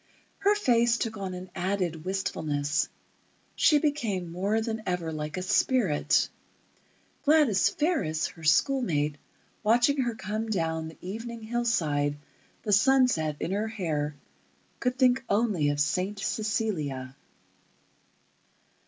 Her face took on an added wistfulness; she became more than ever like a spirit. Gladys Fariss, her schoolmate, watching her come down the evening hillside, the sunset in her hair, could think only of Saint Cecilia....